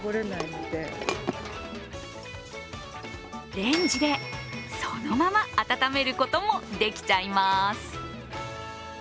レンジでそのまま温めることもできちゃいます。